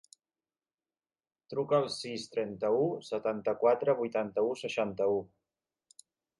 Truca al sis, trenta-u, setanta-quatre, vuitanta-u, seixanta-u.